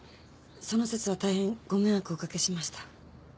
その節は大変ご迷惑をおかけしました。